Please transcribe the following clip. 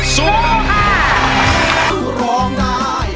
สู้ค่ะ